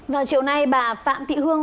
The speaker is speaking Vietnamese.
vào chiều nay bà phạm thị hương